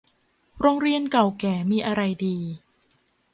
โรงเรียนเก่าแก่มีอะไรดี